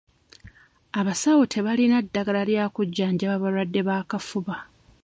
Abasawo tebalina ddagala lya kujjanjaba balwadde b'akafuba.